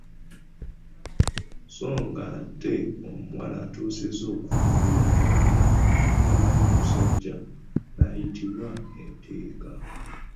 Sso ng’ate omuwala atuusizza okufumbirwa nga naye nga tamanyi musajja n’ayitibwa enteeka.